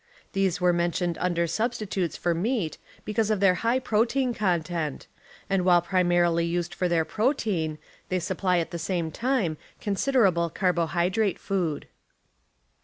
, 1 These were mentioned under substitutes for meat vegetables because of their high protein content, and while primarily used for their protein, they supply at the same time considerable carbohydrate food.